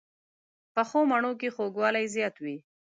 پخو مڼو کې خوږوالی زیات وي